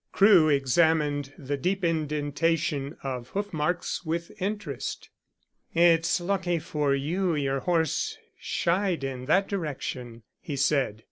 Crewe examined the deep indentation of hoofmarks with interest. "It's lucky for you your horse shied in that direction," he said.